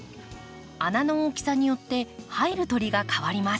穴の大きさによって入る鳥が変わります。